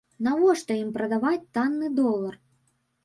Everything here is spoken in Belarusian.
Навошта ім прадаваць танны долар?